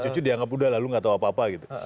cucu dianggap udah lalu gak tau apa apa gitu